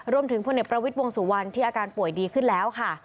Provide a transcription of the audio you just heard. พลเอกประวิทย์วงสุวรรณที่อาการป่วยดีขึ้นแล้วค่ะ